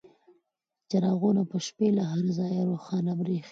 چراغونه په شپې کې له هر ځایه روښانه بریښي.